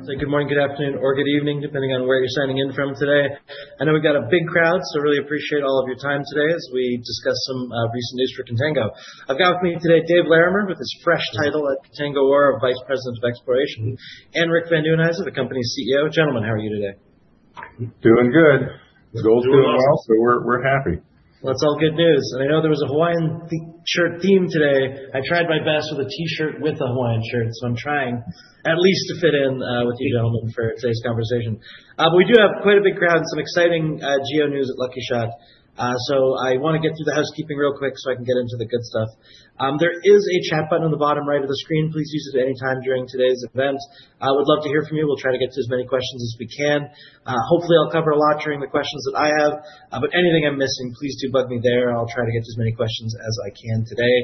Good morning, good afternoon, or good evening, depending on where you're signing in from today. I know we've got a big crowd, so really appreciate all of your time today as we discuss some recent news for Contango. I've got with me today Dave Larimer with his fresh title at Contango, our Vice President of Exploration, and Rick Van Nieuwenhuyse, the company's CEO. Gentlemen, how are you today? Doing good. Gold doing well, so we're happy. That's all good news. I know there was a Hawaiian T-shirt theme today. I tried my best with a T-shirt with a Hawaiian shirt, so I'm trying at least to fit in with you gentlemen for today's conversation. We do have quite a big crowd and some exciting geo news at Lucky Shot. I wanna get through the housekeeping real quick, so I can get into the good stuff. There is a chat button on the bottom right of the screen. Please use it any time during today's event. I would love to hear from you. We'll try to get to as many questions as we can. Hopefully I'll cover a lot during the questions that I have, but anything I'm missing, please do bug me there. I'll try to get to as many questions as I can today.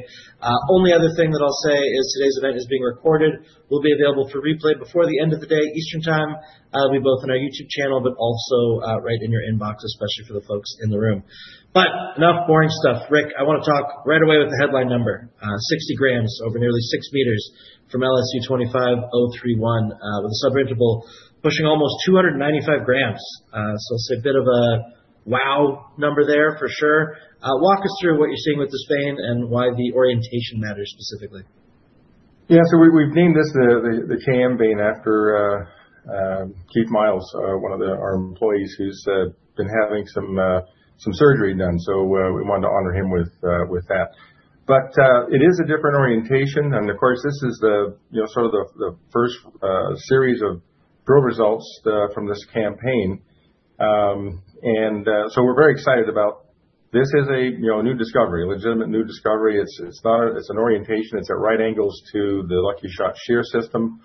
Only other thing that I'll say is today's event is being recorded, will be available for replay before the end of the day, Eastern Time. It'll both on our YouTube channel, but also right in your inbox, especially for the folks in the room. But enough boring stuff. Rick, I want to talk right away with the headline number, 60 g over nearly 6 m from LSU25031, with a subinterval pushing almost 295 g. So it's a bit of a wow number there for sure. Walk us through what you're seeing with this vein and why the orientation matters specifically. We have named this the KM Vein after Keith Miles, one of our employees who has been having some surgery done. We wanted to honor him with that. It is a different orientation, and of course, this is the, you know, sort of the first series of drill results from this campaign. We are very excited about this is a, you know, new discovery, a legitimate new discovery. It is an orientation. It is at right angles to the Lucky Shot shear system.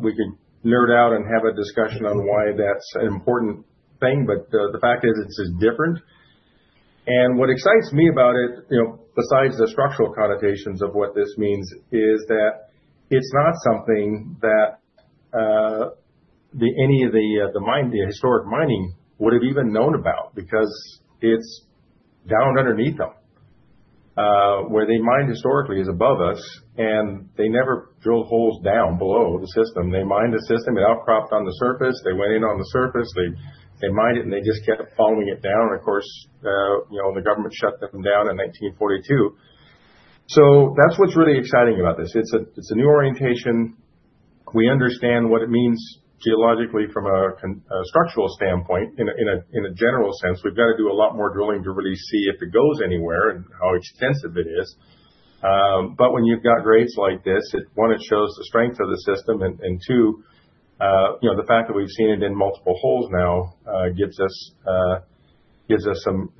We could nerd out and have a discussion on why that is an important thing, but the fact is it is different. What excites me about it, you know, besides the structural connotations of what this means is that it's not something that, the, any of the mine, the historic mining would have even known about because it's down underneath them. Where they mined historically is above us, and they never drilled holes down below the system. They mined the system. It outcropped on the surface. They went in on the surface. They, they mined it, and they just kept following it down, and of course, you know, the government shut them down in 1942. That's what's really exciting about this. It's a, it's a new orientation. We understand what it means geologically from a structural standpoint in a, in a, in a general sense. We've got to do a lot more drilling to really see if it goes anywhere and how extensive it is. When you've got grades like this, it, one, it shows the strength of the system, and two, you know, the fact that we've seen it in multiple holes now, gives us, gives us some,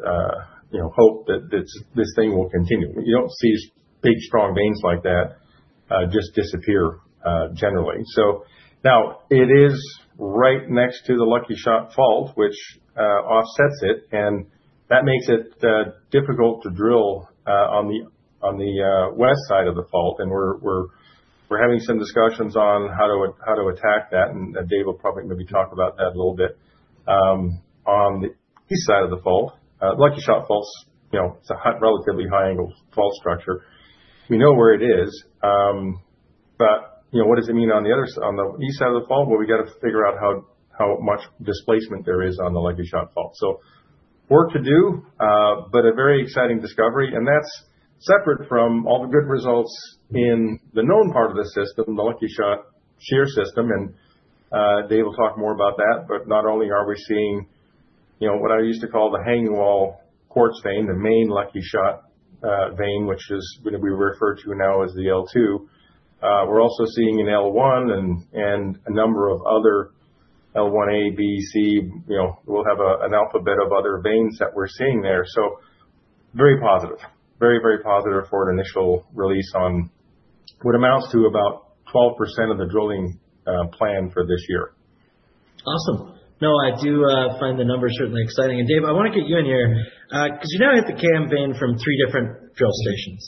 you know, hope that this thing will continue. You don't see big, strong veins like that, just disappear, generally. Now it is right next to the Lucky Shot Fault, which offsets it, and that makes it difficult to drill on the, on the, west side of the fault. We're having some discussions on how to, how to attack that, and Dave will probably maybe talk about that a little bit. On the east side of the fault, Lucky Shot Fault's, you know, it's a high, relatively high angle fault structure. We know where it is, but, you know, what does it mean on the east side of the fault? Well, we got to figure out how much displacement there is on the Lucky Shot Fault. Work to do, but a very exciting discovery. That's separate from all the good results in the known part of the system, the Lucky Shot shear system. Dave will talk more about that. Not only are we seeing, you know, what I used to call the hanging wall quartz vein, the main Lucky Shot vein, which is gonna be referred to now as the L2, we're also seeing an L1 and a number of other L1A, B, C. You know, we'll have an alphabet of other veins that we're seeing there. Very positive. Very, very positive for an initial release on what amounts to about 12% of the drilling plan for this year. Awesome. No, I do find the numbers certainly exciting. Dave, I wanna get you in here, cause you now have the KM Vein from three different drill stations.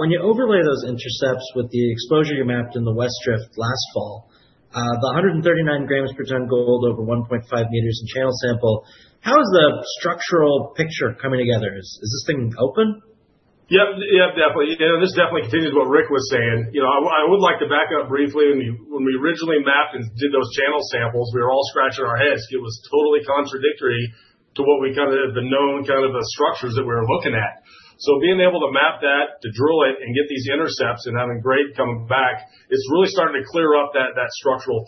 When you overlay those intercepts with the exposure you mapped in the West Drift last fall, the 139 g per ton gold over 1.5 m in channel sample, how is the structural picture coming together? Is this thing open? Yep. Yep, definitely. You know, this definitely continues what Rick was saying. You know, I would like to back up briefly. When we originally mapped and did those channel samples, we were all scratching our heads. It was totally contradictory to what we kind of had been known, kind of the structures that we were looking at. Being able to map that, to drill it and get these intercepts and having grade coming back, it's really starting to clear up that structural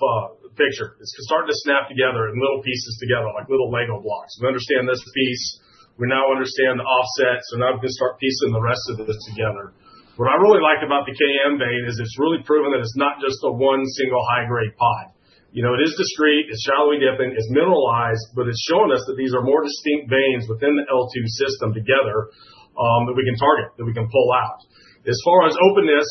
picture. It's starting to snap together in little pieces together, like little Lego blocks. We understand this piece. We now understand the offsets, now we can start piecing the rest of this together. What I really like about the KM Vein is it's really proven that it's not just a one single high grade pod. You know, it is discrete, it's shallowly dipping, it's mineralized, but it's showing us that these are more distinct veins within the L2 system together, that we can target, that we can pull out. As far as openness,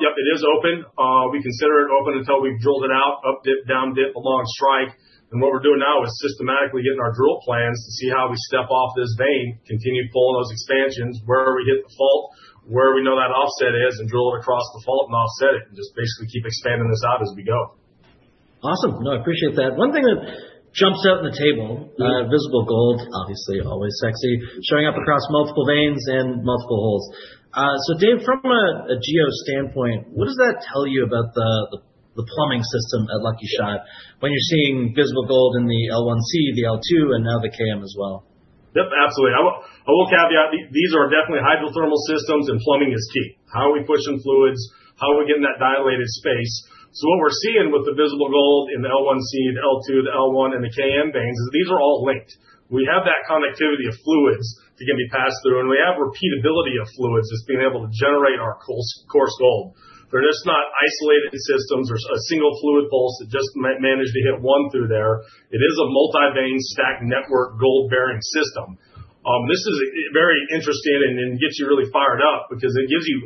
yep, it is open. We consider it open until we've drilled it out, up dip, down dip, along strike. What we're doing now is systematically getting our drill plans to see how we step off this vein, continue pulling those expansions, wherever we hit the fault, where we know that offset is and drill it across the fault and offset it and just basically keep expanding this out as we go. Awesome. No, I appreciate that. One thing that jumps out in the table, visible gold, obviously always sexy, showing up across multiple veins and multiple holes. Dave, from a geo standpoint, what does that tell you about the plumbing system at Lucky Shot when you're seeing visible gold in the L1C, the L2, and now the KM as well? Yep, absolutely. I will caveat, these are definitely hydrothermal systems and plumbing is key. How are we pushing fluids? How are we getting that dilated space? What we're seeing with the visible gold in the L1C, the L2, the L1, and the KM veins is these are all linked. We have that connectivity of fluids to, again, be passed through, and we have repeatability of fluids that's being able to generate our coarse gold. They're just not isolated systems or a single fluid pulse that just managed to hit one through there. It is a multi-vein stacked network gold-bearing system. This is very interesting and gets you really fired up because it gives you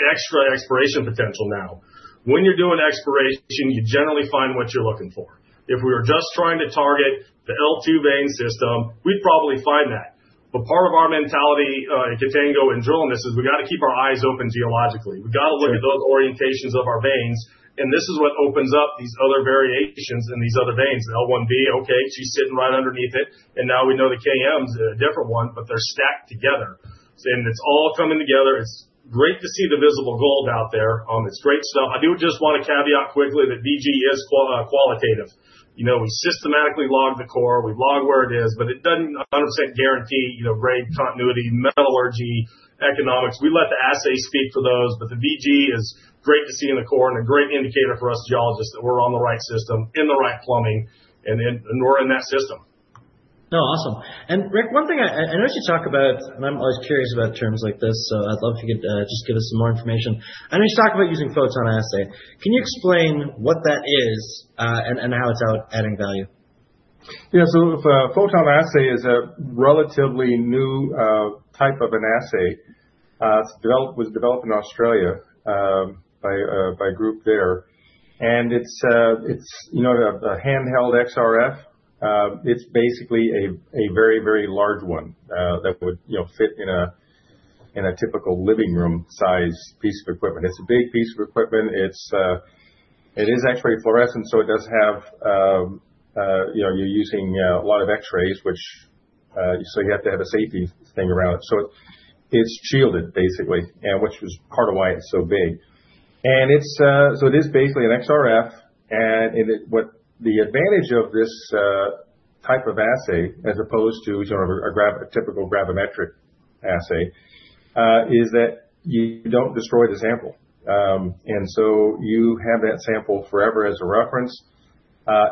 extra exploration potential now. When you're doing exploration, you generally find what you're looking for. If we were just trying to target the L2 vein system, we'd probably find that. Part of our mentality at Contango in drilling this is we gotta keep our eyes open geologically. We gotta look at those orientations of our veins, and this is what opens up these other variations in these other veins. The L1B, okay, she's sitting right underneath it, and now we know the KM's a different one, but they're stacked together. It's all coming together. It's great to see the visible gold out there. It's great stuff. I do just wanna caveat quickly that VG is qualitative. You know, we systematically log the core, we log where it is, but it doesn't 100% guarantee, you know, grade, continuity, metallurgy, economics. We let the assays speak for those, but the VG is great to see in the core and a great indicator for us geologists that we're on the right system, in the right plumbing, and we're in that system. No, awesome. Rick, one thing I noticed you talk about, and I'm always curious about terms like this, so I'd love if you could just give us some more information. I noticed you talk about using PhotonAssay. Can you explain what that is, and how it's adding value? Yeah. If a PhotonAssay is a relatively new type of an assay, it was developed in Australia by a group there. It's, you know, the handheld XRF. It's basically a very, very large one that would, you know, fit in a typical living room size piece of equipment. It's a big piece of equipment. It's X-ray fluorescence, so it does have, you know, you're using a lot of X-rays, which, so you have to have a safety thing around it. It's shielded basically, and which is part of why it's so big. It's, so it is basically an XRF, and it... What the advantage of this type of assay as opposed to sort of a typical gravimetric assay is that you don't destroy the sample. You have that sample forever as a reference.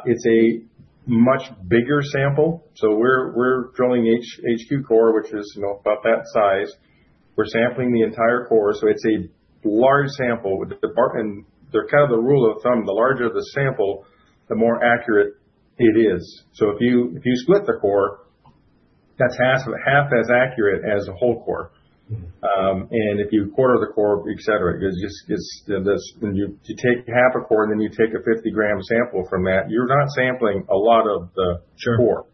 It's a much bigger sample. We're drilling HQ core, which is, you know, about that size. We're sampling the entire core, so it's a large sample with the department. They're kind of the rule of thumb, the larger the sample, the more accurate it is. If you split the core, that's half as accurate as a whole core. If you quarter the core, et cetera, when you take half a core, you take a 50 g sample from that, you're not sampling a lot of the... Sure. -core.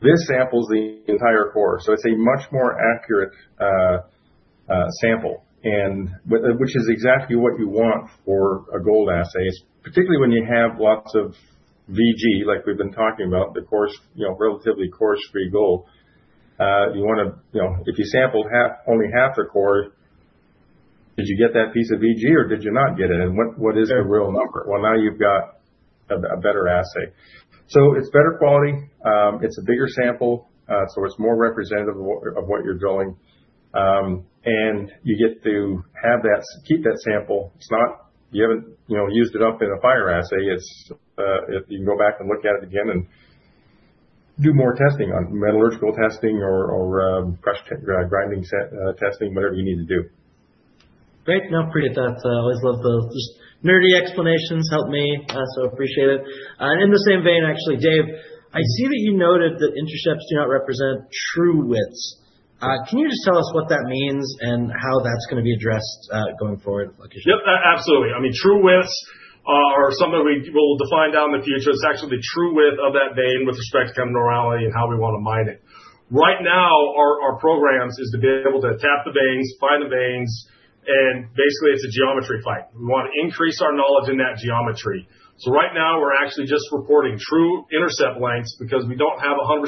This samples the entire core, so it's a much more accurate sample and with it, which is exactly what you want for a gold assay, particularly when you have lots of VG like we've been talking about, the coarse, you know, relatively coarse free gold. You wanna, you know, if you sampled half, only half the core, did you get that piece of VG or did you not get it? What is the real number? Well, now you've got a better assay. It's better quality. It's a bigger sample, so it's more representative of what you're drilling. And you get to have that, keep that sample. It's not, you haven't, you know, used it up in a fire assay. It's, if you can go back and look at it again and do more testing on metallurgical testing or, crush grinding testing, whatever you need to do. Great. No, appreciate that. I always love those. Just nerdy explanations help me, so appreciate it. In the same vein, actually, Dave, I see that you noted that intercepts do not represent true widths. Can you just tell us what that means and how that's gonna be addressed, going forward at Lucky Shot? Yep. Absolutely. I mean, true widths are something we will define down the future. It's actually the true width of that vein with respect to continuity and how we wanna mine it. Right now, our programs is to be able to attack the veins, find the veins, and basically it's a geometry fight. We wanna increase our knowledge in that geometry. Right now we're actually just reporting true intercept lengths because we don't have 100%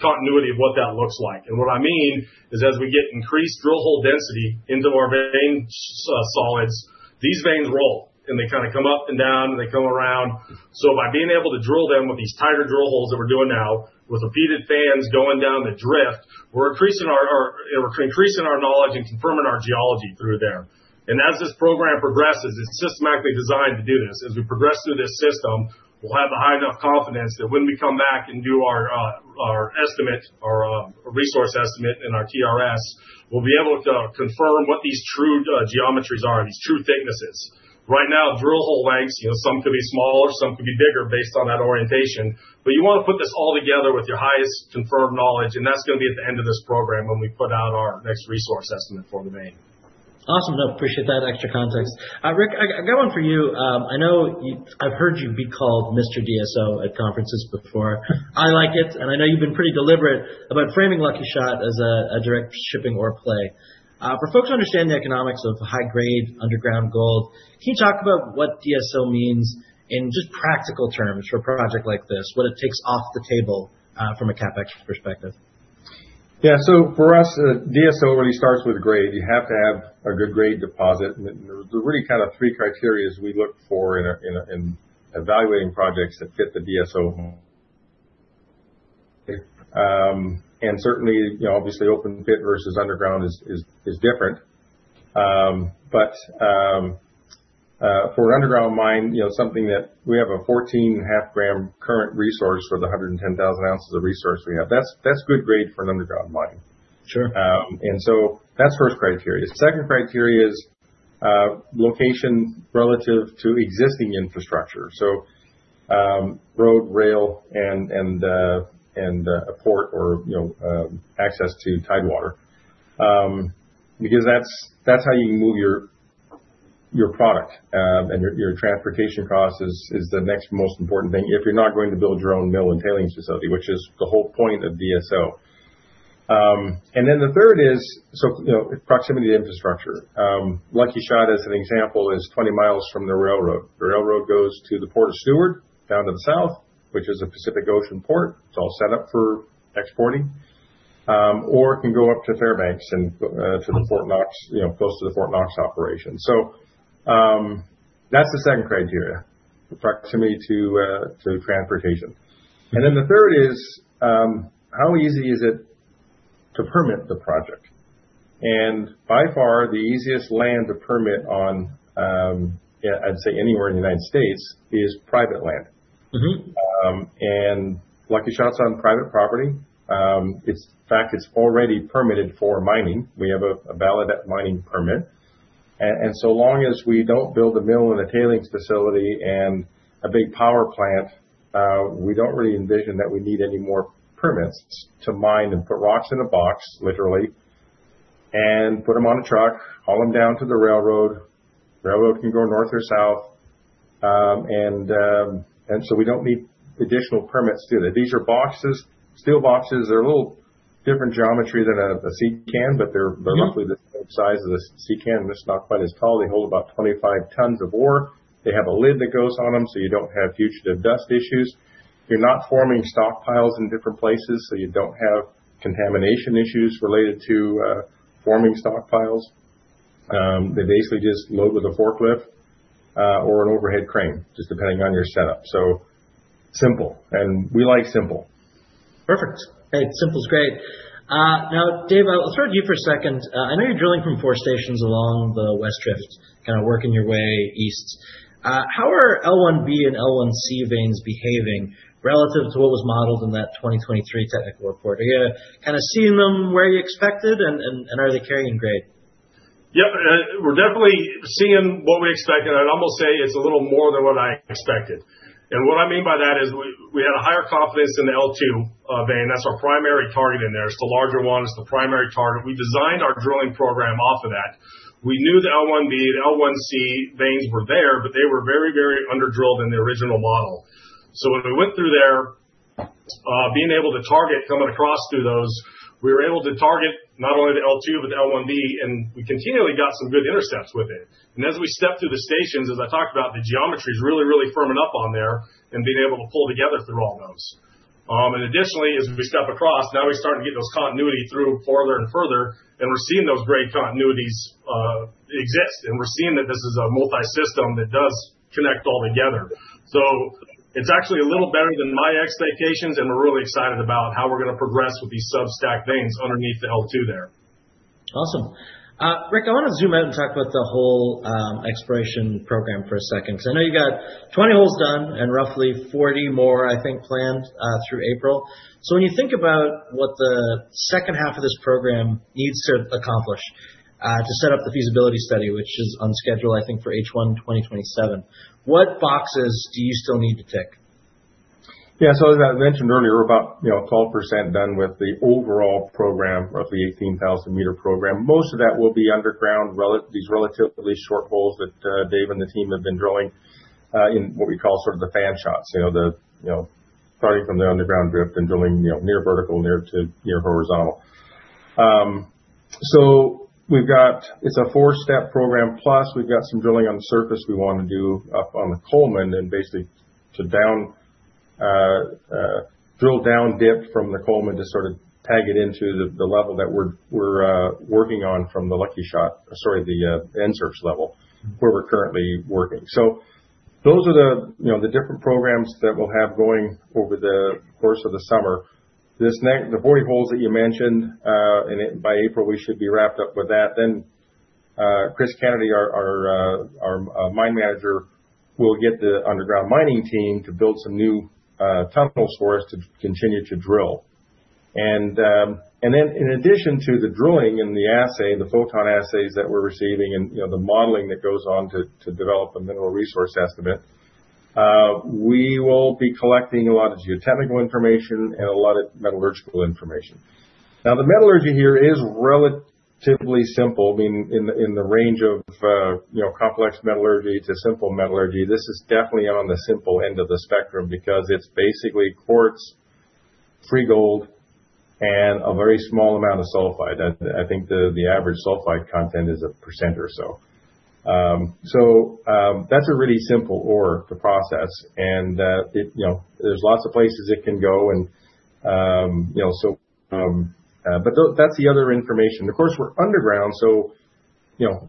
continuity of what that looks like. What I mean is as we get increased drill hole density into our vein solids, these veins roll, and they kinda come up and down, and they come around. By being able to drill them with these tighter drill holes that we're doing now with repeated fans going down the drift, we're increasing our knowledge and confirming our geology through there. As this program progresses, it's systematically designed to do this. As we progress through this system, we'll have a high enough confidence that when we come back and do our estimate or our resource estimate in our TRS, we'll be able to confirm what these true geometries are and these true thicknesses. Right now, drill hole lengths, you know, some could be smaller, some could be bigger based on that orientation. You wanna put this all together with your highest confirmed knowledge, and that's gonna be at the end of this program when we put out our next resource estimate for the vein. Awesome. No, appreciate that extra context. Rick, I got one for you. I've heard you be called Mr. DSO at conferences before. I like it, and I know you've been pretty deliberate about framing Lucky Shot as a direct shipping ore play. For folks who understand the economics of high-grade underground gold, can you talk about what DSO means in just practical terms for a project like this, what it takes off the table, from a CapEx perspective? Yeah. For us, DSO really starts with grade. You have to have a good grade deposit. There are really kind of three criterias we look for in evaluating projects that fit the DSO. Certainly, you know, obviously open pit versus underground is different. For an underground mine, you know, something that we have a 14.5 g current resource for the 110,000 oz of resource we have, that's good grade for an underground mine. Sure. That's first criteria. Second criteria is location relative to existing infrastructure. Road, rail, and a port or, you know, access to Tidewater. That's, that's how you move your product, and your transportation cost is the next most important thing if you're not going to build your own mill and tailings facility, which is the whole point of DSO. The third is so, you know, proximity to infrastructure. Lucky Shot, as an example, is 20 mi from the railroad. The railroad goes to the Port of Seward, down to the south, which is a Pacific Ocean port. It's all set up for exporting. It can go up to Fairbanks and to the Fort Knox, you know, close to the Fort Knox operation. That's the second criteria, proximity to transportation. The third is how easy is it to permit the project? By far, the easiest land to permit on, yeah, I'd say anywhere in the United States is private land. Mm-hmm. Lucky Shot's on private property. In fact, it's already permitted for mining. We have a valid mining permit. So long as we don't build a mill and a tailings facility and a big power plant, we don't really envision that we need any more permits to mine and put rocks in a box, literally, and put them on a truck, haul them down to the railroad. Railroad can go north or south. We don't need additional permits to do that. These are boxes, steel boxes. They're a little different geometry than a sea can- Mm-hmm. ...roughly the same size as a sea can, just not quite as tall. They hold about 25 tons of ore. They have a lid that goes on them, so you don't have fugitive dust issues. You're not forming stockpiles in different places, so you don't have contamination issues related to forming stockpiles. They basically just load with a forklift or an overhead crane, just depending on your setup. Simple, and we like simple. Perfect. Thanks. Simple is great. Now, Dave, let's turn to you for a second. I know you're drilling from four stations along the West Drift, kinda working your way east. How are L1B and L1C veins behaving relative to what was modeled in that 2023 technical report? Are you kinda seeing them where you expected, and are they carrying grade? Yeah. We're definitely seeing what we expected. I'd almost say it's a little more than what I expected. What I mean by that is we had a higher confidence in the L2 vein. That's our primary target in there. It's the larger one. It's the primary target. We designed our drilling program off of that. We knew the L1B, the L1C veins were there, but they were very, very under-drilled in the original model. When we went through there, being able to target coming across through those, we were able to target not only the L2, but the L1B, and we continually got some good intercepts with it. As we step through the stations, as I talked about, the geometry's really, really firming up on there and being able to pull together through all those. Additionally, as we step across, now we're starting to get those continuity through farther and further, and we're seeing those great continuities exist, and we're seeing that this is a multi-system that does connect all together. It's actually a little better than my expectations, and we're really excited about how we're going to progress with these sub-stack veins underneath the L2 there. Awesome. Rick, I wanna zoom out and talk about the whole exploration program for a second, 'cause I know you got 20 holes done and roughly 40 holes more, I think, planned through April. When you think about what the second half of this program needs to accomplish, to set up the feasibility study, which is on schedule, I think for H1 2027, what boxes do you still need to tick? As I mentioned earlier, we're about, you know, 12% done with the overall program, roughly 18,000 m program. Most of that will be underground these relatively short holes that Dave and the team have been drilling in what we call sort of the fan shots. You know, starting from the underground drift and drilling, you know, near vertical, near to near horizontal. It's a four-step program plus we've got some drilling on the surface we wanna do up on the Coleman and basically to drill down-dip from the Coleman to sort of tag it into the level that we're working on from the Lucky Shot. Sorry, end search level- Mm-hmm. where we're currently working. Those are the, you know, the different programs that we'll have going over the course of the summer. The 40 holes that you mentioned, and it, by April, we should be wrapped up with that. Chris Kennedy, our mine manager, will get the underground mining team to build some new tunnels for us to continue to drill. In addition to the drilling and the assay, the PhotonAssays that we're receiving and, you know, the modeling that goes on to develop a mineral resource estimate, we will be collecting a lot of geotechnical information and a lot of metallurgical information. The metallurgy here is relatively simple, being in the range of, you know, complex metallurgy to simple metallurgy. This is definitely on the simple end of the spectrum because it's basically quartz, free gold, and a very small amount of sulfide. I think the average sulfide content is 1% or so. So, that's a really simple ore, the process, and, it, you know, there's lots of places it can go and, you know, so. That's the other information. Of course, we're underground so, you know,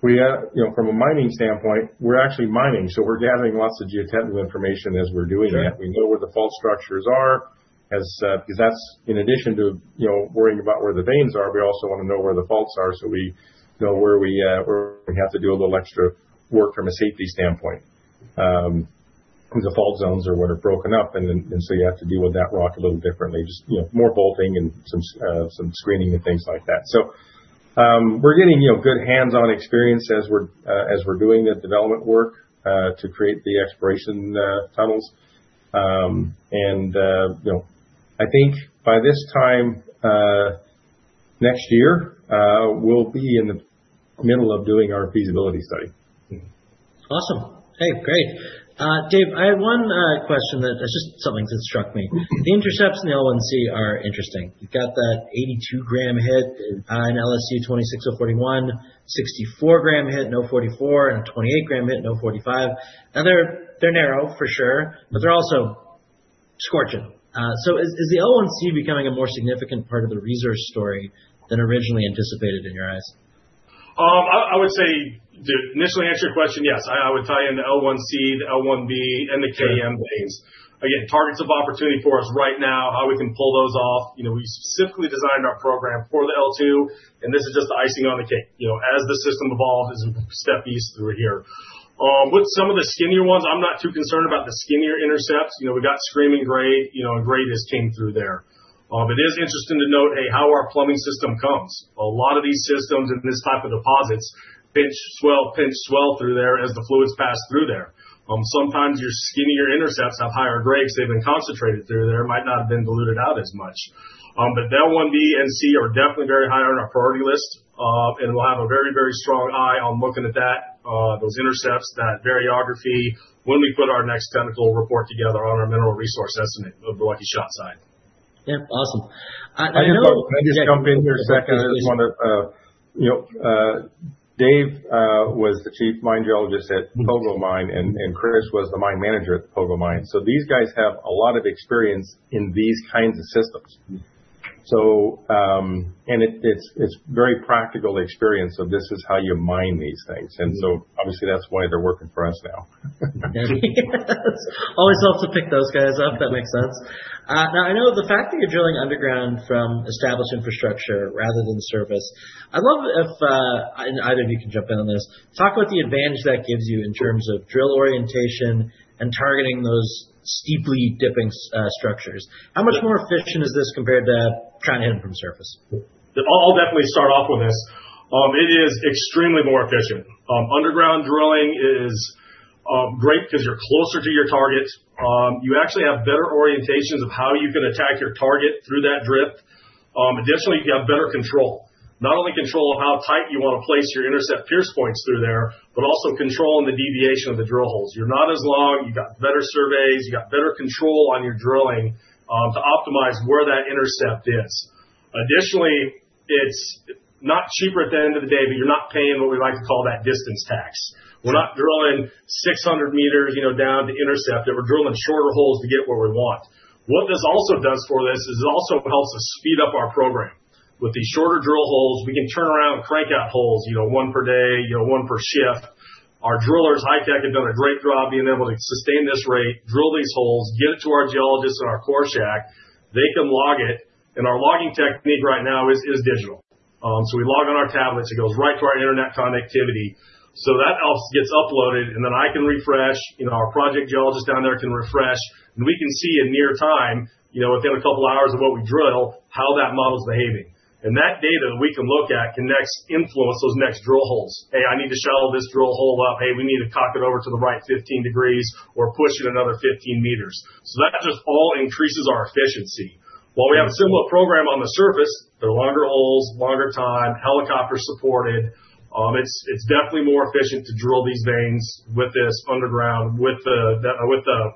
we, you know, from a mining standpoint, we're actually mining, so we're gathering lots of geotechnical information as we're doing that. Sure. We know where the fault structures are as, because that's in addition to, you know, worrying about where the veins are, we also wanna know where the faults are so we know where we, where we have to do a little extra work from a safety standpoint. The fault zones are what are broken up and then, and so you have to deal with that rock a little differently. Just, you know, more bolting and some screening and things like that. We're getting, you know, good hands-on experience as we're, as we're doing the development work, to create the exploration, tunnels. You know, I think by this time, next year, we'll be in the middle of doing our feasibility study. Awesome. Okay, great. Dave, I have one question that is just something that struck me. Mm-hmm. The intercepts in L1C are interesting. You've got that 82 g hit in LSU25041, 64 gram hit in LSU25044 and a 28 g hit in LSU25045. They're narrow for sure, but they're also scorching. Is the L1C becoming a more significant part of the resource story than originally anticipated in your eyes? I would say, to initially answer your question, yes. I would tie in the L1C, the L1B, and the KM veins. Again, targets of opportunity for us right now, how we can pull those off. You know, we specifically designed our program for the L2, and this is just the icing on the cake. You know, as the system evolves, as we step east through here. With some of the skinnier ones, I'm not too concerned about the skinnier intercepts. You know, we got screaming grade, and grade just came through there. It is interesting to note, A, how our plumbing system comes. A lot of these systems in this type of deposits pinch, swell, pinch, swell through there as the fluids pass through there. Sometimes your skinnier intercepts have higher grades, they've been concentrated through there, might not have been diluted out as much. The L1B and C are definitely very high on our priority list. We'll have a very, very strong eye on looking at that, those intercepts, that variography when we put our next technical report together on our mineral resource estimate of the Lucky Shot site. Yeah. Awesome. Can I just jump in here a second? Please. I just wanna. You know, Dave was the chief mine geologist at Pogo Mine, and Chris was the mine manager at the Pogo Mine. These guys have a lot of experience in these kinds of systems. Mm-hmm. It's very practical experience of this is how you mine these things. Mm-hmm. Obviously that's why they're working for us now. Always helps to pick those guys up. That makes sense. Now I know the fact that you're drilling underground from established infrastructure rather than the surface, I'd love if, and either of you can jump in on this, talk about the advantage that gives you in terms of drill orientation and targeting those steeply dipping structures. How much more efficient is this compared to trying to hit them from surface? I'll definitely start off with this. It is extremely more efficient. Underground drilling is great 'cause you're closer to your target. You actually have better orientations of how you can attack your target through that drift. Additionally, you have better control. Not only control of how tight you wanna place your intercept pierce points through there, but also controlling the deviation of the drill holes. You're not as long, you've got better surveys, you've got better control on your drilling to optimize where that intercept is. Additionally, it's not cheaper at the end of the day, but you're not paying what we like to call that distance tax. Sure. We're not drilling 600 m, you know, down to intercept it. We're drilling shorter holes to get where we want. What this also does for this is it also helps us speed up our program. With these shorter drill holes, we can turn around and crank out holes, you know, one per day, you know, one per shift. Our drillers, High-Tech, have done a great job being able to sustain this rate, drill these holes, get it to our geologists in our core shack. They can log it, and our logging technique right now is digital. We log on our tablets, it goes right to our internet connectivity. That all gets uploaded, and then I can refresh, you know, our project geologist down there can refresh, and we can see in near time, you know, within a couple of hours of what we drill, how that model's behaving. That data that we can look at can next influence those next drill holes. "Hey, I need to shallow this drill hole up. Hey, we need to cock it over to the right 15 degrees or push it another 15 m." That just all increases our efficiency. While we have a similar program on the surface, they're longer holes, longer time, helicopter supported, it's definitely more efficient to drill these veins with this underground with the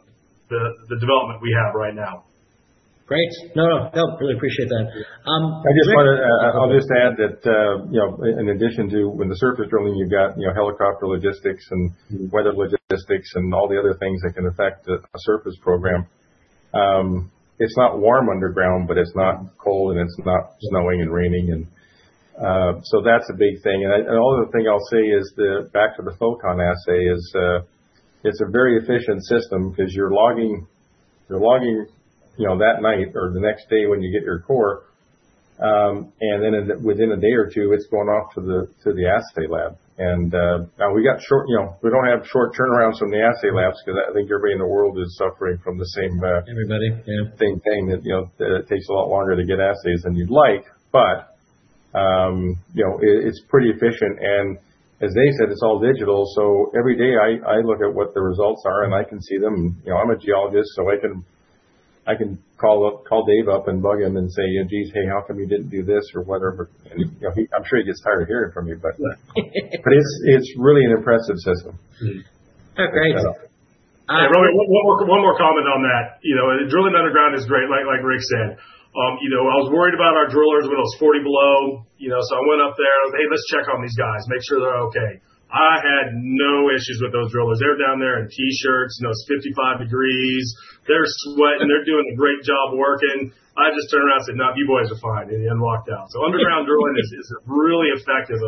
development we have right now. Great. No, no, really appreciate that. I just wanna, I'll just add that, you know, in addition to when the surface drilling, you've got, you know, helicopter logistics and weather logistics and all the other things that can affect a surface program. It's not warm underground, but it's not cold and it's not snowing and raining and so that's a big thing. Only other thing I'll say is the back to the PhotonAssay is, it's a very efficient system because you're logging, you know, that night or the next day when you get your core, and then within a day or two, it's going off to the, to the assay lab. Now we got short, you know, we don't have short turnarounds from the assay labs because I think everybody in the world is suffering from the same. Everybody, yeah.... same thing that, you know, that it takes a lot longer to get assays than you'd like. You know, it's pretty efficient. As Dave said, it's all digital, so every day I look at what the results are, and I can see them. You know, I'm a geologist, so I can, I can call up, call Dave up and bug him and say, "Geez, hey, how come you didn't do this," or whatever. You know, I'm sure he gets tired of hearing from me, but. It's, it's really an impressive system. Okay, great. One more comment on that. You know, drilling underground is great, like Rick said. You know, I was worried about our drillers when it was 40 below, you know. I went up there, "Hey, let's check on these guys, make sure they're okay." I had no issues with those drillers. They're down there in T-shirts, you know, it's 55 degrees. They're sweating, they're doing a great job working. I just turned around and said, "No, you boys are fine." Walked out. Underground drilling is really effective.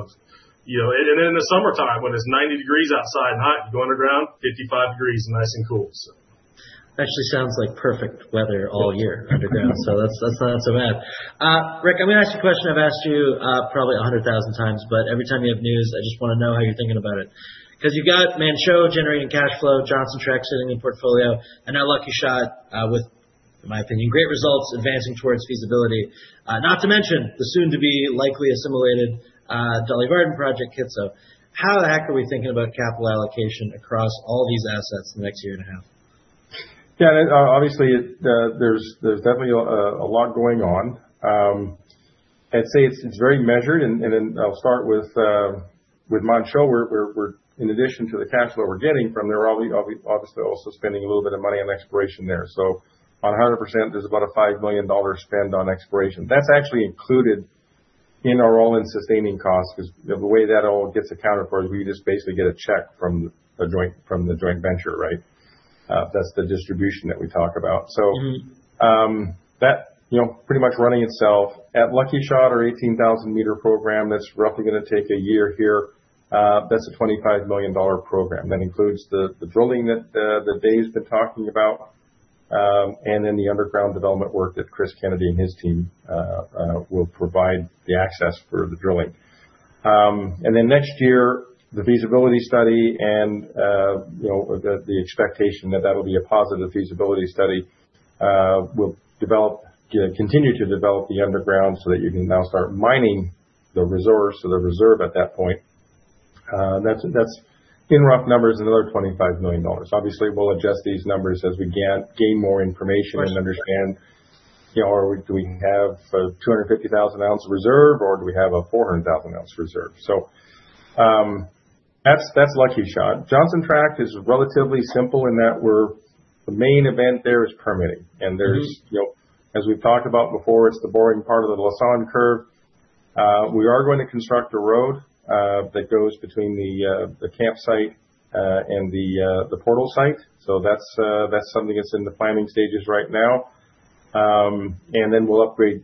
You know, in the summertime, when it's 90 degrees outside and hot, you go underground, 55 degrees, nice and cool. Actually sounds like perfect weather all year underground. That's, that's not so bad. Rick, I'm gonna ask you a question I've asked you, probably 100,000 times, but every time you have news, I just wanna know how you're thinking about it. You've got Manh Choh generating cash flow, Johnson Tract sitting in portfolio, and now Lucky Shot, with, in my opinion, great results advancing towards feasibility. Not to mention the soon-to-be likely assimilated Dolly Varden project, Kitsault. How the heck are we thinking about capital allocation across all these assets in the next year and a half? Yeah. Obviously, there's definitely a lot going on. I'd say it's very measured. Then I'll start with Manh Choh, we're in addition to the cash flow we're getting from there, I'll be obviously also spending a little bit of money on exploration there. On 100%, there's about a $5 million spend on exploration. That's actually included in our all-in sustaining cost, because the way that all gets accounted for is we just basically get a check from the joint venture, right? That's the distribution that we talk about. Mm-hmm. That, you know, pretty much running itself. At Lucky Shot, our 18,000 m program, that's roughly gonna take a year here. That's a $25 million program. That includes the drilling that Dave's been talking about, and then the underground development work that Chris Kennedy and his team will provide the access for the drilling. Next year, the feasibility study and, you know, the expectation that that will be a positive feasibility study, Continue to develop the underground so that you can now start mining the resource or the reserve at that point. That's in rough numbers, another $25 million. Obviously, we'll adjust these numbers as we gain more information and understand, you know, do we have a 250,000 oz reserve or do we have a 400,000 oz reserve? That's Lucky Shot. Johnson Tract is relatively simple in that The main event there is permitting. Mm-hmm. There's, you know, as we've talked about before, it's the boring part of the Lassonde curve. We are going to construct a road that goes between the campsite and the portal site. That's something that's in the planning stages right now. We'll upgrade,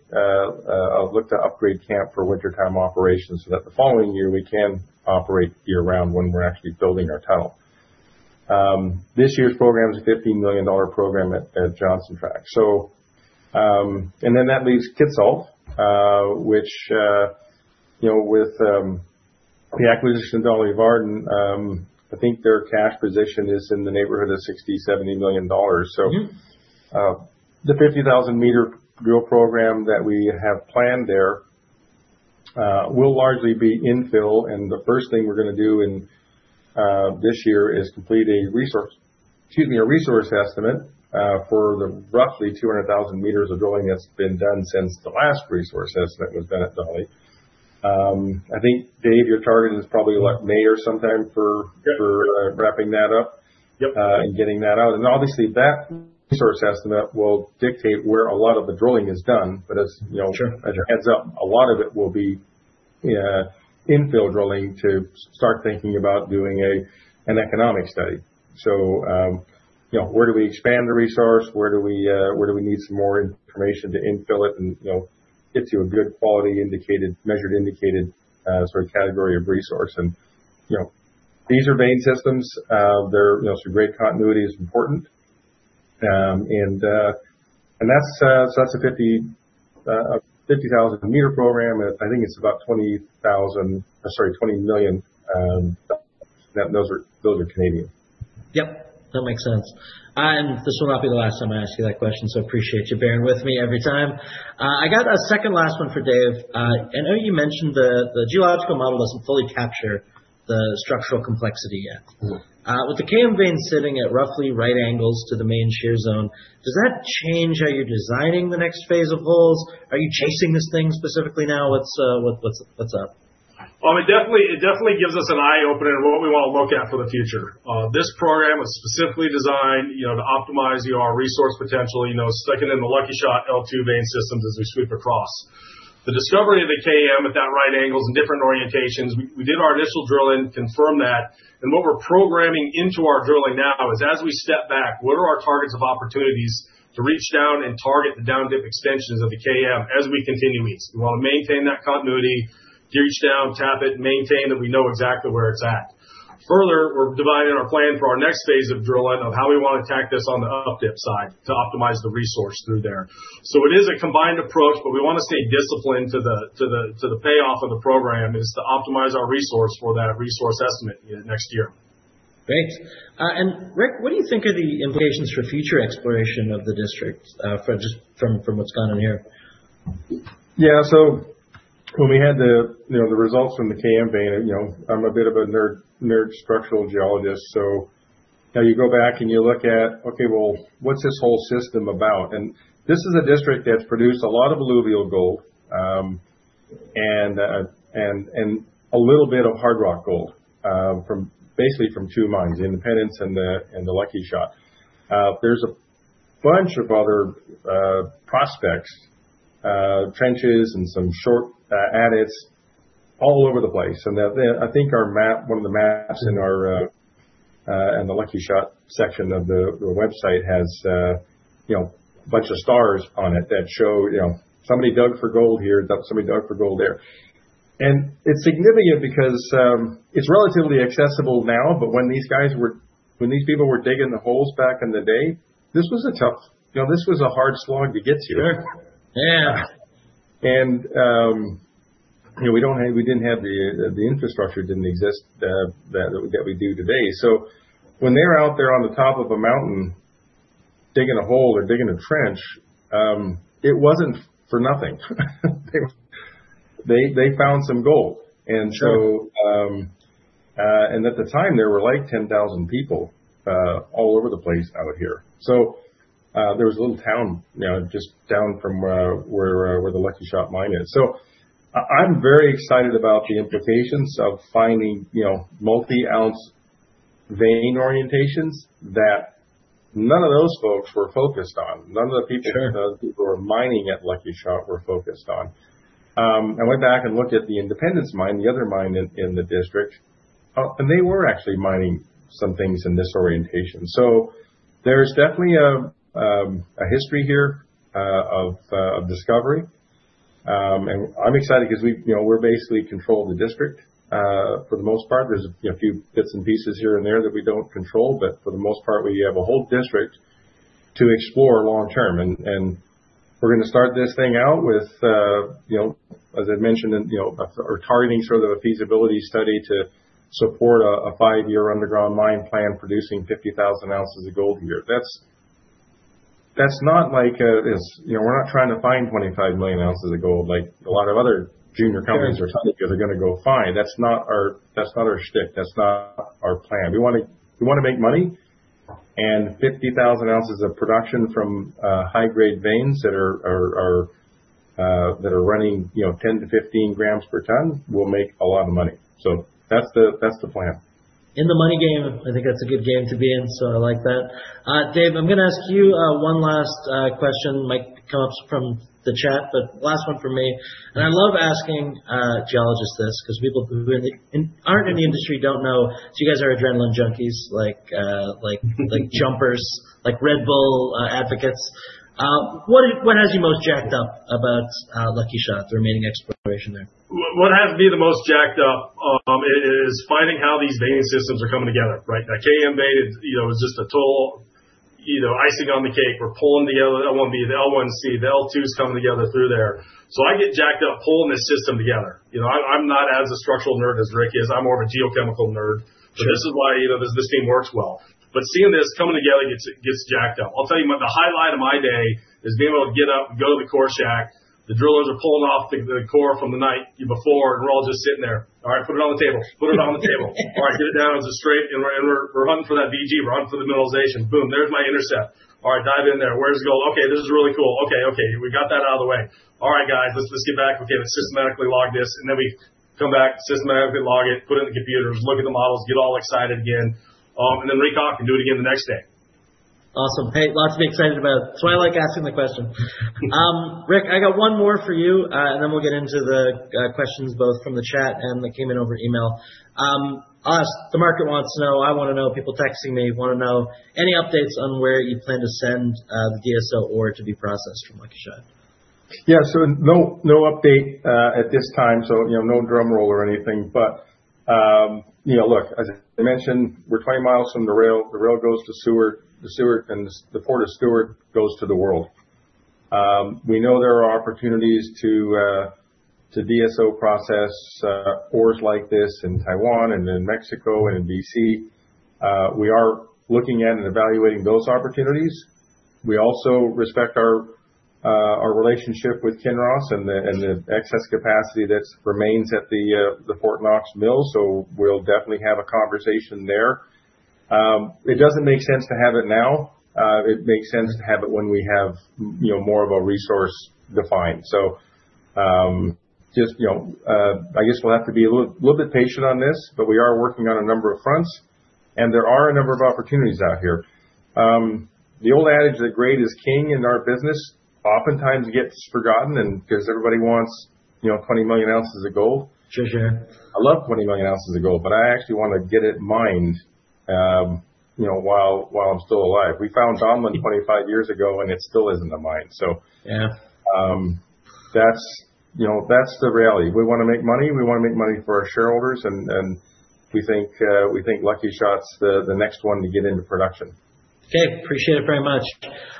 look to upgrade camp for wintertime operations so that the following year we can operate year-round when we're actually building our tunnel. This year's program is a $15 million program at Johnson Tract. That leaves Kitsault, which, you know, with the acquisition of Dolly Varden, I think their cash position is in the neighborhood of $60 million-$70 million. Mm-hmm. The 50,000 m drill program that we have planned there will largely be infill. The first thing we're gonna do in this year is complete a resource estimate for the roughly 200,000 m of drilling that's been done since the last resource estimate was done at Dolly. I think, Dave, your target is probably like May or sometime. Yep. for wrapping that up. Yep. Getting that out. Obviously, that resource estimate will dictate where a lot of the drilling is done. As, you know. Sure. Heads up, a lot of it will be infill drilling to start thinking about doing an economic study. Where do we expand the resource? Where do we need some more information to infill it and, you know, get to a good quality indicated, measured indicated, sort of category of resource? These are vein systems. They're so great continuity is important. That's a 50,000 m program. I think it's about 20 million. Those are Canadian. Yep. That makes sense. This will not be the last time I ask you that question. Appreciate you bearing with me every time. I got a second last one for Dave. I know you mentioned the geological model doesn't fully capture the structural complexity yet. Mm-hmm. With the KM vein sitting at roughly right angles to the main shear zone, does that change how you're designing the next phase of holes? Are you chasing this thing specifically now? What's up? It definitely gives us an eye-opener of what we wanna look at for the future. This program was specifically designed, you know, to optimize, you know, our resource potential, you know, sticking in the Lucky Shot L2 main systems as we sweep across. The discovery of the KM at that right angles and different orientations, we did our initial drilling, confirmed that. What we're programming into our drilling now is as we step back, what are our targets of opportunities to reach down and target the down-dip extensions of the KM as we continue east? We wanna maintain that continuity, reach down, tap it, maintain that we know exactly where it's at. Further, we're dividing our plan for our next phase of drilling of how we wanna attack this on the up-dip side to optimize the resource through there. It is a combined approach, but we wanna stay disciplined to the payoff of the program, is to optimize our resource for that resource estimate next year. Great. Rick, what do you think are the implications for future exploration of the district, for just from what's gone on here? Yeah. When we had the, you know, the results from the KM vein, you know, I'm a bit of a nerd structural geologist. You know, you go back and you look at, okay, well, what's this whole system about? This is a district that's produced a lot of alluvial gold and a little bit of hard rock gold from basically from two mines, Independence and the Lucky Shot. There's a bunch of other prospects, trenches, and some short adits all over the place. The I think our map, one of the maps in our in the Lucky Shot section of the website has, you know, a bunch of stars on it that show, you know, somebody dug for gold here, somebody dug for gold there. It's significant because it's relatively accessible now, but when these people were digging the holes back in the day, this was a tough, you know, this was a hard slog to get to. Sure. Yeah. You know, we didn't have the infrastructure didn't exist that we do today. When they were out there on the top of a mountain digging a hole or digging a trench, it wasn't for nothing. They found some gold. Sure. At the time, there were, like, 10,000 people, all over the place out here. There was a little town, you know, just down from, where the Lucky Shot Mine is. I'm very excited about the implications of finding, you know, multi-ounce vein orientations that none of those folks were focused on, none of the people. Sure those people who were mining at Lucky Shot were focused on. I went back and looked at the Independence mine, the other mine in the district, and they were actually mining some things in this orientation. There's definitely a history here of discovery. I'm excited because we, you know, we're basically controlling the district for the most part. There's, you know, a few bits and pieces here and there that we don't control, but for the most part, we have a whole district to explore long term. We're gonna start this thing out with, you know, as I mentioned in, you know, we're targeting a feasibility study to support a five-year underground mine plan producing 50,000 oz of gold a year. That's not like a. You know, we're not trying to find 25 million oz of gold like a lot of other junior companies are. Sure talking they're gonna go find. That's not our shtick. That's not our plan. We wanna make money, 50,000 oz of production from high-grade veins that are running, you know, 10 g-15 g per ton will make a lot of money. That's the plan. In the money game, I think that's a good game to be in, so I like that. Dave, I'm gonna ask you one last question. Might come up from the chat, but last one from me. I love asking geologists this because people who really aren't in the industry don't know, so you guys are adrenaline junkies, like jumpers, like Red Bull advocates. What has you most jacked up about Lucky Shot, the remaining exploration there? What has me the most jacked up is finding how these veining systems are coming together, right? That KM vein is, you know, is just a total, you know, icing on the cake. We're pulling together the L1b, the L1c, the L2's coming together through there. So I get jacked up pulling this system together. You know, I'm not as a structural nerd as Rick is. I'm more of a geochemical nerd. Sure. This is why, you know, this team works well. Seeing this coming together gets jacked up. I'll tell you what the highlight of my day is being able to get up and go to the core shack, the drillers are pulling off the core from the night before, and we're all just sitting there. "All right, put it on the table. Put it on the table." "All right, get it down. Is it straight?" We're hunting for that VG. We're hunting for the mineralization. Boom, there's my intercept. All right, dive in there. Where's gold? This is really cool. Okay, we got that out of the way. All right, guys, let's get back. Okay, let's systematically log this, and then we come back, systematically log it, put it in the computers, look at the models, get all excited again, and then recon and do it again the next day. Awesome. Hey, lots to be excited about. That's why I like asking the question. Rick, I got one more for you, then we'll get into the questions both from the chat and that came in over email. Us, the market wants to know, I wanna know, people texting me wanna know any updates on where you plan to send the DSO ore to be processed from Lucky Shot? Yeah. No update at this time. You know, no drum roll or anything. You know, look, as I mentioned, we're 20 mi from the rail. The rail goes to Seward. To Seward, and the Port of Seward goes to the world. We know there are opportunities to DSO process ores like this in Taiwan and in Mexico and in BC. We are looking at and evaluating those opportunities. We also respect our relationship with Kinross and the excess capacity that remains at the Fort Knox Mill. We'll definitely have a conversation there. It doesn't make sense to have it now. It makes sense to have it when we have, you know, more of a resource defined. Just, you know, I guess we'll have to be a little bit patient on this, but we are working on a number of fronts, and there are a number of opportunities out here. The old adage that grade is king in our business oftentimes gets forgotten and because everybody wants, you know, 20 million oz of gold. Sure, sure. I love 20 million oz of gold, but I actually want to get it mined, you know, while I'm still alive. We found Donlin 25 years ago, and it still isn't a mine, so. Yeah. That's, you know, that's the reality. We wanna make money. We wanna make money for our shareholders, we think, we think Lucky Shot's the next one to get into production. Okay. Appreciate it very much.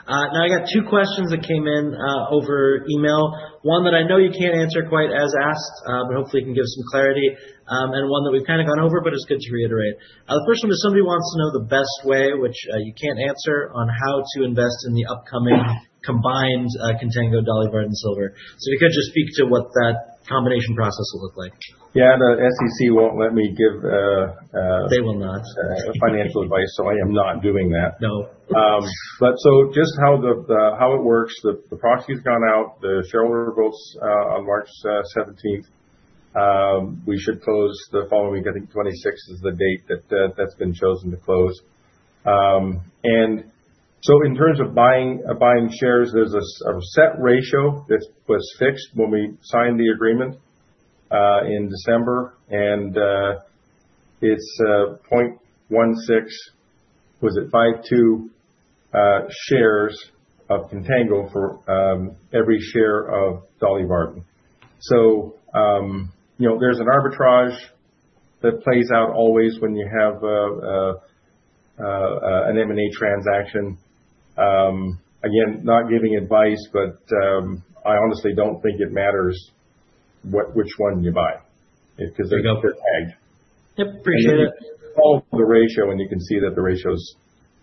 Now I got two questions that came in over email. One that I know you can't answer quite as asked, but hopefully you can give some clarity, and one that we've kinda gone over, but it's good to reiterate. The first one is somebody wants to know the best way, which you can't answer, on how to invest in the upcoming combined Contango Dolly Varden Silver. If you could just speak to what that combination process will look like. Yeah. The SEC won't let me give. They will not.... financial advice, so I am not doing that. No. But so just how the, how it works, the proxy's gone out, the shareholder votes on March 17th. We should close the following, I think March 26 is the date that's been chosen to close. And so in terms of buying shares, there's a set ratio that was fixed when we signed the agreement in December. And it's 0.16. Was it 52 shares of Contango for every share of Dolly Varden. So, you know, there's an arbitrage that plays out always when you have an M&A transaction. Again, not giving advice, but I honestly don't think it matters what, which one you buy because they're tag. Yep, appreciate it. Follow the ratio, and you can see that the ratio is,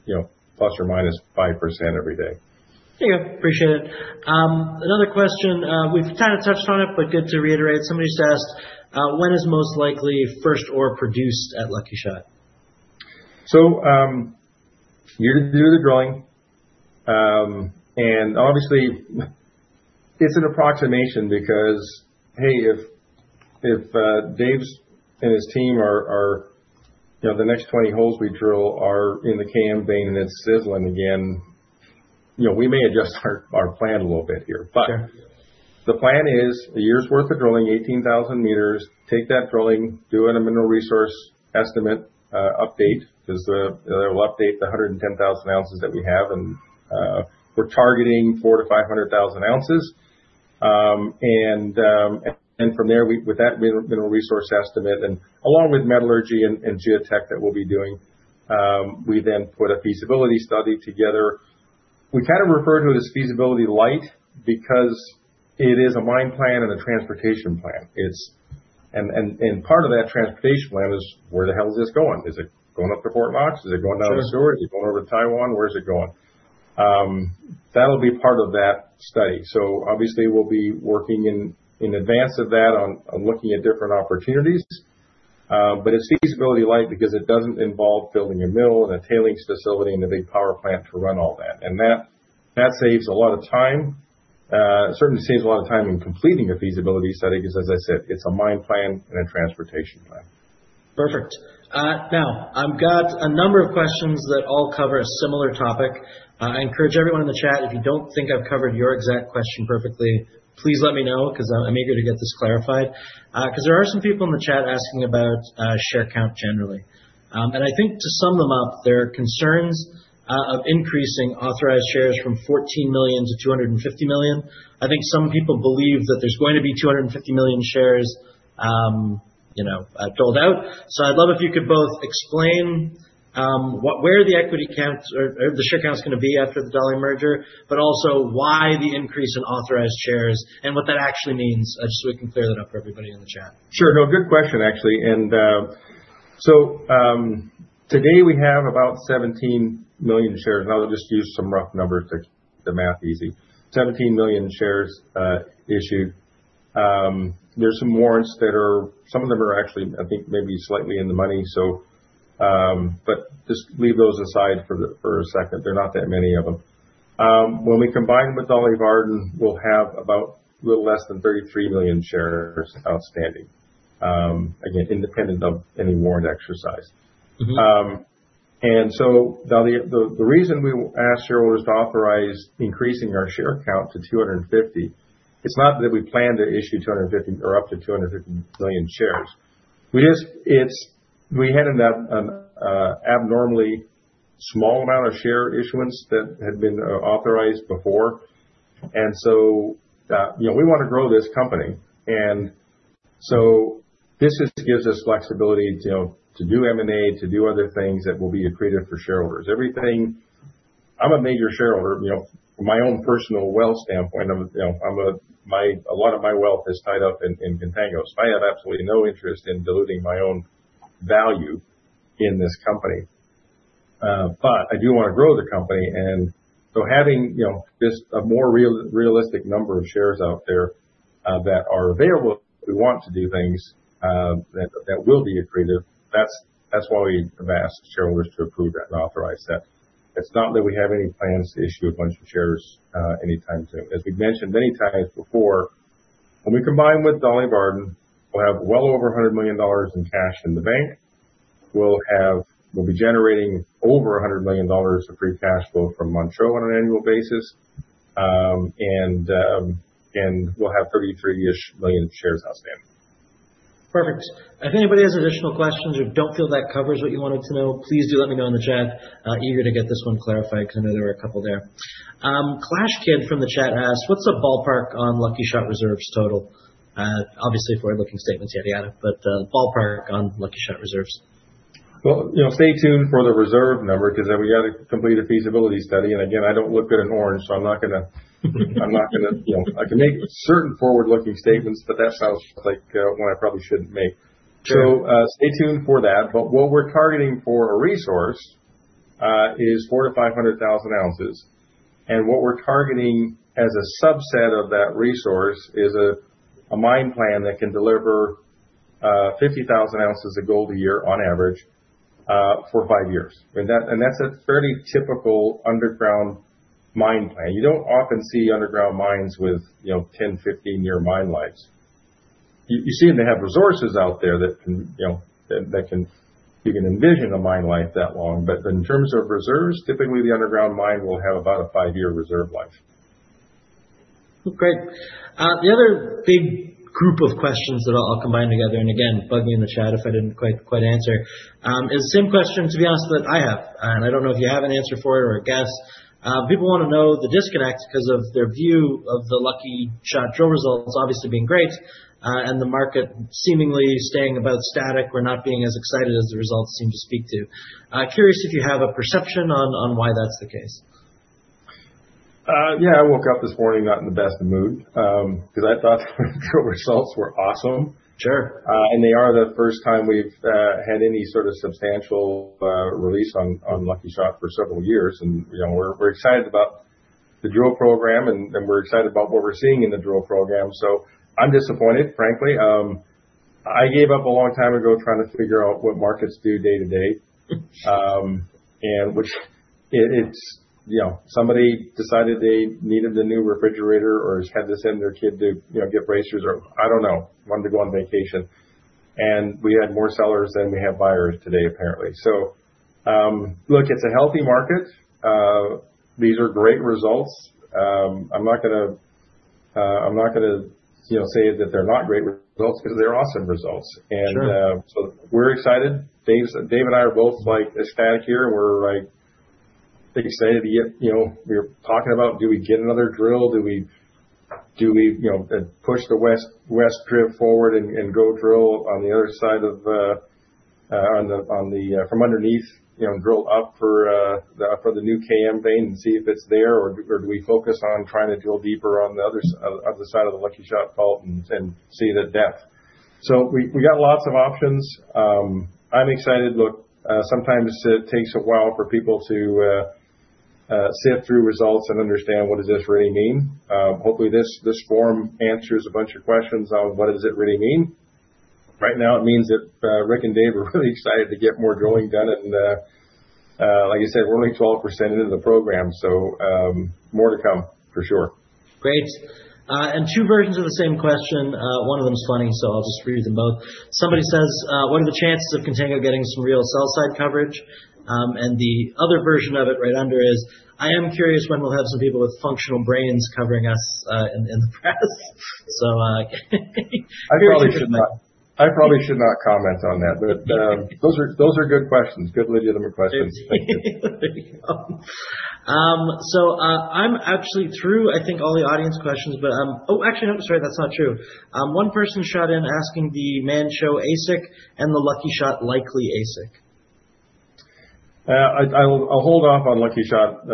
you know, ±5% every day. Yeah, appreciate it. Another question, we've kinda touched on it, but good to reiterate. Somebody just asked, when is most likely first ore produced at Lucky Shot? You're gonna do the drilling. Obviously it's an approximation because, hey, if Dave's and his team are, you know, the next 20 holes we drill are in the KM vein and it's sizzling again, you know, we may adjust our plan a little bit here. Okay. The plan is a year's worth of drilling, 18,000 m. Take that drilling, do it in a mineral resource estimate update. It will update the 110,000 oz that we have. We're targeting 400,000 oz-500,000 oz. From there, with that mineral resource estimate and along with metallurgy and geotech that we'll be doing, we then put a feasibility study together. We kind of refer to it as feasibility light because it is a mine plan and a transportation plan. Part of that transportation plan is where the hell is this going? Is it going up to Fort Knox? Is it going down to Seward? Sure. Is it going over to Taiwan? Where is it going? That'll be part of that study. Obviously we'll be working in advance of that on looking at different opportunities. But it's feasibility light because it doesn't involve building a mill and a tailings facility and a big power plant to run all that. That, that saves a lot of time. It certainly saves a lot of time in completing a feasibility study because as I said, it's a mine plan and a transportation plan. Perfect. I've got a number of questions that all cover a similar topic. I encourage everyone in the chat, if you don't think I've covered your exact question perfectly, please let me know, 'cause I'm eager to get this clarified. 'Cause there are some people in the chat asking about share count generally. I think to sum them up, there are concerns of increasing authorized shares from 14 million to 250 million. I think some people believe that there's going to be 250 million shares, you know, filled out. I'd love if you could both explain what... where the equity counts or the share count is gonna be after the Dolly merger, but also why the increase in authorized shares and what that actually means, so we can clear that up for everybody in the chat. Sure. No, good question actually. Today we have about 17 million shares. I'll just use some rough numbers to keep the math easy. 17 million shares issued. There's some warrants. Some of them are actually, I think, maybe slightly in the money, so, but just leave those aside for a second. There are not that many of them. When we combine with Dolly Varden, we'll have about a little less than 33 million shares outstanding again, independent of any warrant exercise. Mm-hmm. The reason we asked shareholders to authorize increasing our share count to 250 million, it's not that we plan to issue 250 million or up to 250 million shares. We had an abnormally small amount of share issuance that had been authorized before. You know, we wanna grow this company. This just gives us flexibility to do M&A, to do other things that will be accretive for shareholders. I'm a major shareholder, you know. From my own personal wealth standpoint, I'm, you know, a lot of my wealth is tied up in Contango. I have absolutely no interest in diluting my own value in this company. But I do wanna grow the company. Having, you know, this, a more realistic number of shares out there, that are available, if we want to do things, that will be accretive, that's why we have asked shareholders to approve that and authorize that. It's not that we have any plans to issue a bunch of shares anytime soon. As we've mentioned many times before, when we combine with Dolly Varden, we'll have well over $100 million in cash in the bank. We'll be generating over $100 million of free cash flow from Montrose on an annual basis. And we'll have 33-ish million shares outstanding. Perfect. If anybody has additional questions or don't feel that covers what you wanted to know, please do let me know in the chat. Eager to get this one clarified because I know there were a couple there. Clash Kid from the chat asked, "What's the ballpark on Lucky Shot reserves total?" Obviously forward-looking statements, yada, but, ballpark on Lucky Shot reserves. Well, you know, stay tuned for the reserve number because we got to complete a feasibility study. again, I don't look good in orange, so I'm not gonna. You know, I can make certain forward-looking statements, but that sounds like one I probably shouldn't make. Sure. Stay tuned for that. What we're targeting for a resource is 400,000 oz-500,000 oz What we're targeting as a subset of that resource is a mine plan that can deliver 50,000 oz of gold a year on average for five years. That's a fairly typical underground mine plan. You don't often see underground mines with, you know, 10-15-year mine lives. You seem to have resources out there that can, you know, You can envision a mine life that long. In terms of reserves, typically the underground mine will have about a five-year reserve life. Great. The other big group of questions that I'll combine together, again, bug me in the chat if I didn't quite answer, is the same question, to be honest, that I have, and I don't know if you have an answer for it or a guess. People wanna know the disconnect because of their view of the Lucky Shot drill results obviously being great, the market seemingly staying about static. We're not being as excited as the results seem to speak to. Curious if you have a perception on why that's the case. Yeah, I woke up this morning not in the best of mood, because I thought the drill results were awesome. Sure. They are the first time we've had any sort of substantial release on Lucky Shot for several years. You know, we're excited about the drill program and we're excited about what we're seeing in the drill program. I'm disappointed, frankly. I gave up a long time ago trying to figure out what markets do day-to-day. Which it's, you know, somebody decided they needed a new refrigerator or had to send their kid to, you know, get braces or, I don't know, wanted to go on vacation. We had more sellers than we have buyers today, apparently. Look, it's a healthy market. These are great results. I'm not gonna, you know, say that they're not great results because they're awesome results. Sure. We're excited. Dave and I are both, like, ecstatic here. We're, like, pretty excited. You know, we're talking about do we get another drill? Do we, you know, push the west drift forward and go drill on the other side of from underneath, you know, drill up for the new KM vein and see if it's there or do we focus on trying to drill deeper on the side of the Lucky Shot Fault and see the depth. We got lots of options. I'm excited. Look, sometimes it takes a while for people to sift through results and understand what does this really mean. Hopefully this forum answers a bunch of questions on what does it really mean. Right now it means that Rick and Dave are really excited to get more drilling done. Like I said, we're only 12% into the program, so more to come for sure. Great. Two versions of the same question. One of them is funny, so I'll just read them both. Somebody says, "What are the chances of Contango getting some real sell-side coverage?" The other version of it right under is, "I am curious when we'll have some people with functional brains covering us in the press. I probably should not comment on that. Those are good questions. Good legitimate questions. There you go. I'm actually through, I think all the audience questions, but. Oh, actually, I'm sorry, that's not true. One person shot in asking the Manh Choh AISC and the Lucky Shot likely AISC. I will, I'll hold off on Lucky Shot,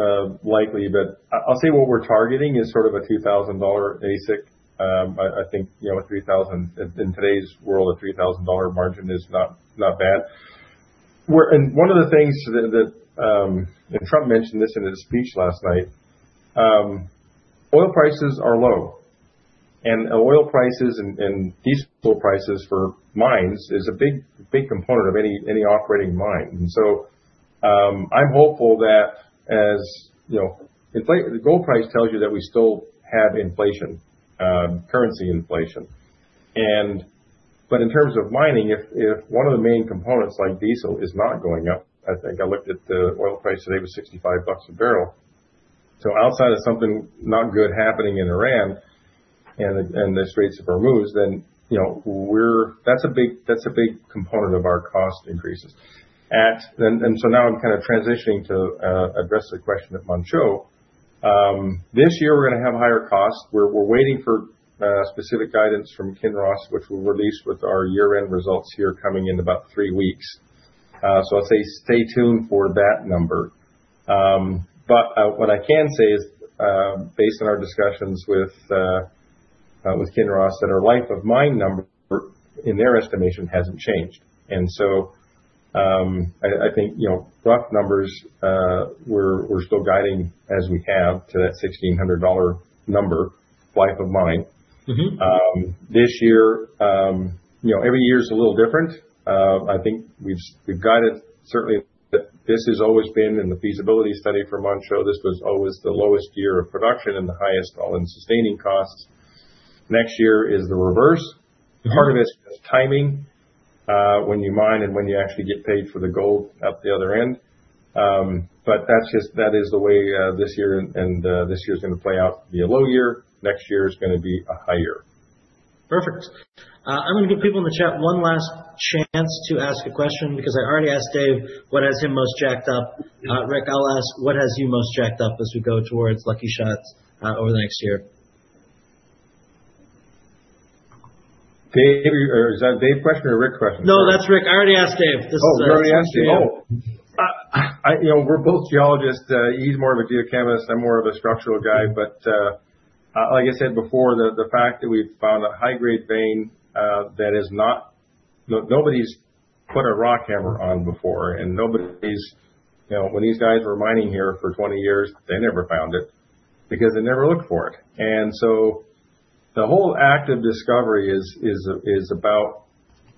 likely, but I'll say what we're targeting is sort of a $2,000 AISC. I think, you know, in today's world, a $3,000 margin is not bad. One of the things that Trump mentioned this in his speech last night, oil prices are low. Oil prices and diesel prices for mines is a big component of any operating mine. I'm hopeful that as, you know, the gold price tells you that we still have inflation, currency inflation. In terms of mining, if one of the main components like diesel is not going up, I think I looked at the oil price today was $65 a barrel. Outside of something not good happening in Iran and the Straits of Hormuz, That's a big component of our cost increases. Now I'm kinda transitioning to address the question of Manh Choh. This year we're gonna have higher costs. We're waiting for specific guidance from Kinross, which we'll release with our year-end results here coming in about three weeks. I'll say stay tuned for that number. What I can say is, based on our discussions with Kinross, that our life of mine number, in their estimation, hasn't changed. I think, you know, rough numbers, we're still guiding as we have to that $1,600 number life of mine. Mm-hmm. This year, you know, every year's a little different. I think we've guided certainly that this has always been in the feasibility study for Manh Choh. This was always the lowest year of production and the highest all-in sustaining costs. Next year is the reverse. Mm-hmm. Part of it is timing, when you mine and when you actually get paid for the gold out the other end. That's just, that is the way, this year and this year's going to play out to be a low year. Next year is going to be a high year. Perfect. I'm gonna give people in the chat one last chance to ask a question because I already asked Dave what has him most jacked up. Rick, I'll ask, what has you most jacked up as we go towards Lucky Shot, over the next year? Dave, or is that a Dave question or a Rick question? No, that's Rick. I already asked Dave. This is. You already asked Dave. I, you know, we're both geologists. He's more of a geochemist, I'm more of a structural guy. Like I said before, the fact that we've found a high-grade vein that nobody's put a rock hammer on before. You know, when these guys were mining here for 20 years, they never found it because they never looked for it. The whole act of discovery is about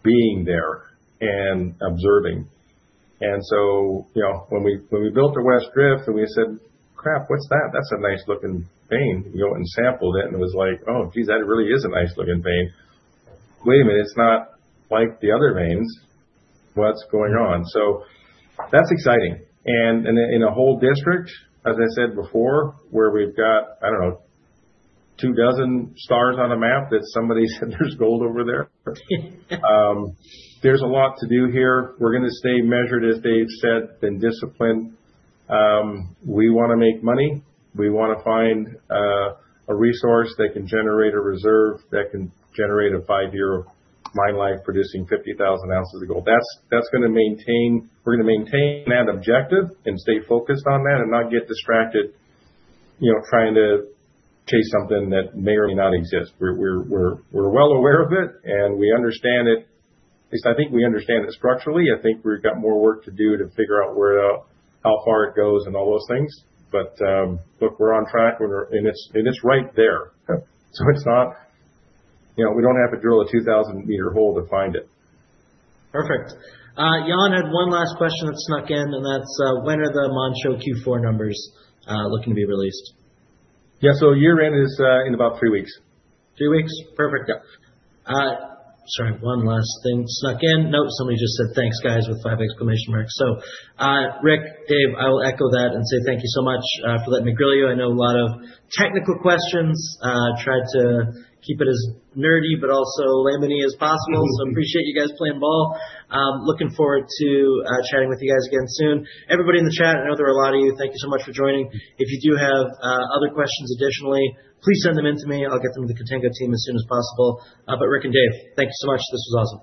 being there and observing. You know, when we built the West Drift and we said, "Crap, what's that? That's a nice looking vein." We go out and sampled it, and it was like, "Oh, geez, that really is a nice looking vein. Wait a minute, it's not like the other veins. What's going on?" That's exciting. In a whole district, as I said before, where we've got, I don't know, two dozen stars on a map that somebody said there's gold over there's a lot to do here. We're gonna stay measured, as Dave said, and disciplined. We wanna make money. We wanna find a resource that can generate a reserve, that can generate a five-year mine life producing 50,000 oz of gold. We're gonna maintain that objective and stay focused on that and not get distracted, you know, trying to chase something that may or may not exist. We're well aware of it, and we understand it. At least I think we understand it structurally. I think we've got more work to do to figure out where how far it goes and all those things. Look, we're on track. We're. It's right there. It's not, you know, we don't have to drill a 2,000 m hole to find it. Perfect. Jan had one last question that snuck in, and that's, "When are the Manh Choh Q4 numbers looking to be released? Yeah. year-end is in about three weeks. Three weeks? Perfect. Yeah. Sorry, one last thing snuck in. Nope. Somebody just said, "Thanks, guys," with five exclamation marks. Rick, Dave, I will echo that and say thank you so much for letting me grill you. I know a lot of technical questions. Tried to keep it as nerdy but also layman-y as possible. Appreciate you guys playing ball. Looking forward to chatting with you guys again soon. Everybody in the chat, I know there are a lot of you, thank you so much for joining. If you do have other questions additionally, please send them in to me. I'll get them to the Contango team as soon as possible. Rick and Dave, thank you so much. This was awesome.